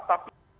tapi jadi kejataan